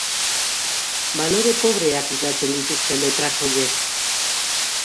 Balore pobreak islatzen dituzte letrak horiek.